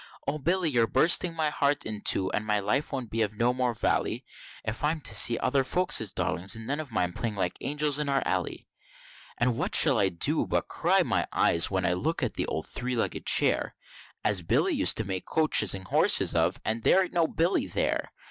O Billy, you're bursting my heart in two, and my life won't be of no more vally, If I'm to see other folk's darlins, and none of mine, playing like angels in our alley, And what shall I do but cry out my eyes, when I looks at the old three legged chair, As Billy used to make coaches and horses of, and there ain't no Billy there!